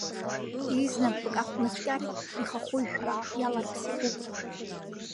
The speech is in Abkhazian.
Изнапык ахәнацәкьарак ихахәы жәпа иаларԥс икуп.